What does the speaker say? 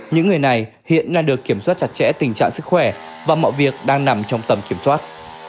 những người này hiện đang được kiểm soát chặt chẽ tình trạng sức khỏe và mọi việc đang nằm trong tầm kiểm soát